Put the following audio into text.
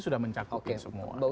sudah mencakupi semua